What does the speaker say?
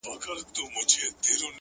ډېر الله پر زړه باندي دي شـپـه نـه ده”